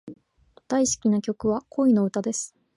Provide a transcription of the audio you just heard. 大好きな曲は、恋の歌です。